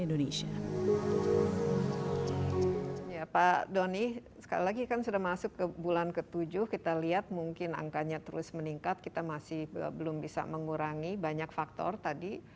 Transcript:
ya pak doni sekali lagi kan sudah masuk ke bulan ke tujuh kita lihat mungkin angkanya terus meningkat kita masih belum bisa mengurangi banyak faktor tadi